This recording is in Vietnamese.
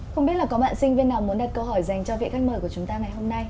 không biết là có bạn sinh viên nào muốn đặt câu hỏi dành cho vị khách mời của chúng ta ngày hôm nay